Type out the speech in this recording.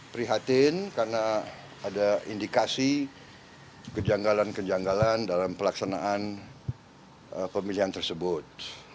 prihatin karena ada indikasi kejanggalan kejanggalan dalam pelaksanaan pemilihan tersebut